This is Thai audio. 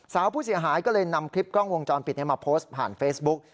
สาวผู้เสียหายก็เลยนำคลิปกล้องวงจรปิดมาโพสต์ผ่านเฟซบุ๊ก